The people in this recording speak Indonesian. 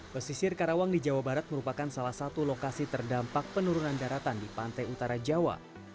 pesisir karawang di jawa barat merupakan salah satu lokasi terdampak penurunan daratan di pantai utara jawa